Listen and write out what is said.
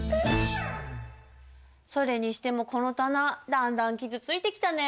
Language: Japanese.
それにしてもこの棚だんだん傷ついてきたね。